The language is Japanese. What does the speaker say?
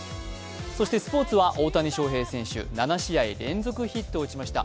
そしてスポーツは大谷翔平選手、７試合連続ヒットを打ちました。